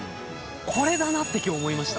これだな！って今日思いました。